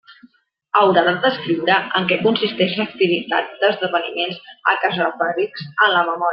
Haurà de descriure en què consistix l'activitat «d'esdeveniments» a què es referix en la memòria.